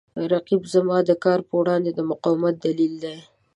رقیب زما د کار په وړاندې د مقاومت دلیل دی